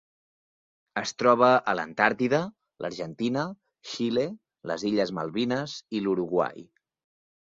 Es troba a l'Antàrtida, l'Argentina, Xile, les Illes Malvines i l'Uruguai.